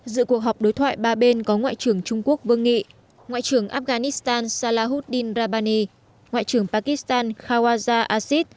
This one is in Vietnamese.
dự cuộc họp đối thoại ba bên có ngoại trưởng trung quốc vương nghị ngoại trưởng afghanistan salahuddin rabbani ngoại trưởng pakistan khawaja aziz